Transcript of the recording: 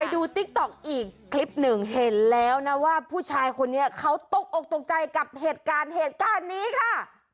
ติ๊กต๊อกอีกคลิปหนึ่งเห็นแล้วนะว่าผู้ชายคนนี้เขาตกอกตกใจกับเหตุการณ์เหตุการณ์นี้ค่ะ